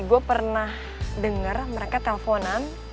gue pernah denger mereka telfonan